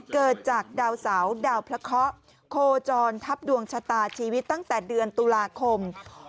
เกิดจากดาวเสาดาวพระเคาะโคจรทับดวงชะตาชีวิตตั้งแต่เดือนตุลาคม